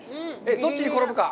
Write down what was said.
どっちに転ぶか。